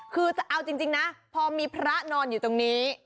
คือเอาจริงนะพอมีพระนอนอยู่ตรงนี้